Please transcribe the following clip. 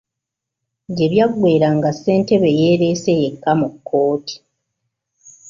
Gye byaggweera nga Ssentebe yeereese yekka mu kkooti.